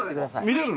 見れるの？